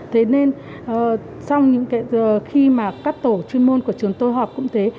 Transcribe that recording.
thế nên trong những cái khi mà các tổ chuyên môn của trường tôi họp cũng thế